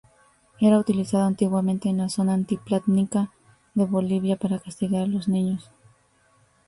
Era utilizado antiguamente en la zona altiplánica de Bolivia para castigar a los niños.